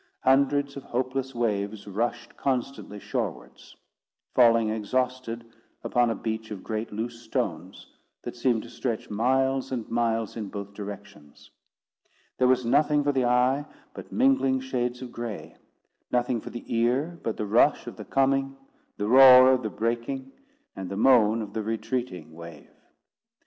Hundreds of hopeless waves rushed constantly shorewards, falling exhausted upon a beach of great loose stones, that seemed to stretch miles and miles in both directions. There was nothing for the eye but mingling shades of gray; nothing for the ear but the rush of the coming, the roar of the breaking, and the moan of the retreating wave.